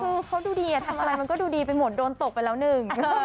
คือเขาดูดีทำอะไรมันก็ดูดีไปหมดโดนตกไปแล้วหนึ่ง